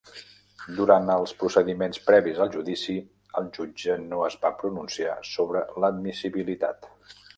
Durant els procediments previs al judici, el jutge no es va pronunciar sobre l'admissibilitat.